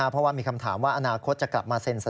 เพราะมีคำถามว่าอนาคตเมื่อไม่นะ